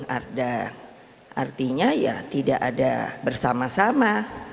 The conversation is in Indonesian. ada artinya ya tidak ada bersama sama